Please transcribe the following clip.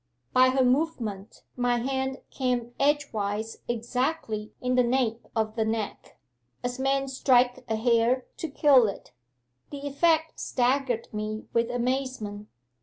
By her movement my hand came edgewise exactly in the nape of the neck as men strike a hare to kill it. The effect staggered me with amazement.